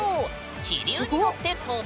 気流に乗って飛ぶ。